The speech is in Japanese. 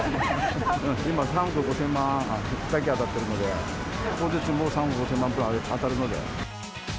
今、３億５０００万だけ当たったので、当日も３億５０００万当たるので。